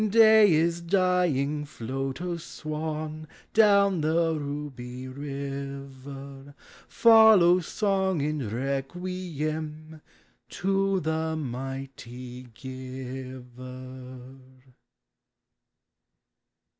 Day is dying! Float, O swan, Down the ruby river ; Follow, song, in requiem To the mighty Giver.